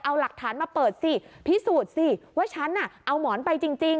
เอาหลักฐานมาเปิดสิพิสูจน์สิว่าฉันน่ะเอาหมอนไปจริง